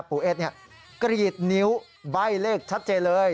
ปู่เอสเนี่ยกรีดนิ้วไว้เลขชัดเจนเลย